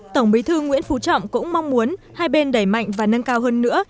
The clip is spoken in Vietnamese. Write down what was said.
tổng bí thư nguyễn phú trọng cũng mong muốn hai bên đẩy mạnh và nâng cao hơn nữa